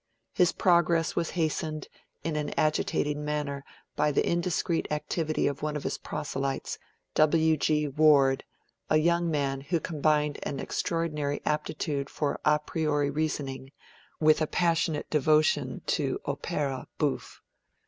His progress was hastened in an agitating manner by the indiscreet activity of one of his proselytes, W. G. Ward. a young man who combined an extraordinary aptitude for a priori reasoning with a passionate devotion to Opera Bouffe.